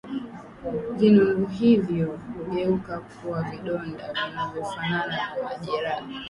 Vinundu hivyo hugeuka kuwa vidonda vinavyofanana na majeraha